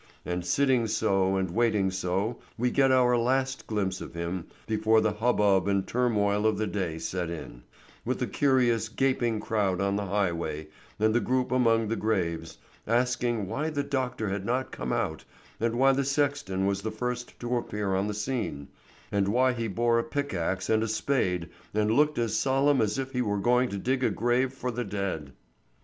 And sitting so and waiting so we get our last glimpse of him before the hubbub and turmoil of the day set in, with the curious gaping crowd on the highway and the group among the graves, asking why the doctor had not come out, and why the sexton was the first to appear on the scene, and why he bore a pickaxe and a spade and looked as solemn as if he were going to dig a grave for the dead.